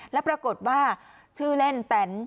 แล้วปรากฏว่าชื่อเล่นแตน